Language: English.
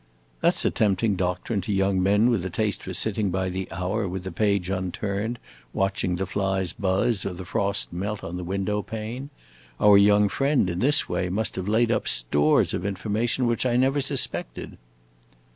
"That 's a tempting doctrine to young men with a taste for sitting by the hour with the page unturned, watching the flies buzz, or the frost melt on the window pane. Our young friend, in this way, must have laid up stores of information which I never suspected!"